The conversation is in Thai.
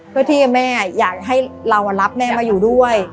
เพื่อที่แม่อยากให้เรารับแม่มาอยู่ด้วย